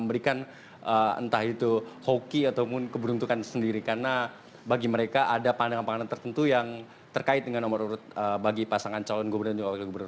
memberikan entah itu hoki ataupun keberuntukan sendiri karena bagi mereka ada pandangan pandangan tertentu yang terkait dengan nomor urut bagi pasangan calon gubernur dan wakil gubernur